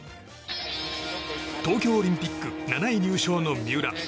東京オリンピック７位入賞の三浦。